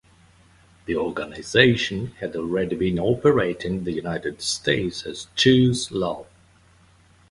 The organisation had already been operating in the United States as Choose Love.